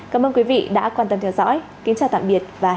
cảm ơn quý vị đã quan tâm theo dõi kính chào tạm biệt và hẹn gặp lại